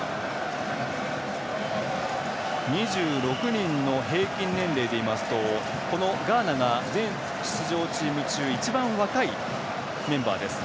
２６人の平均年齢でいいますとガーナが全出場チーム中一番若いメンバーです。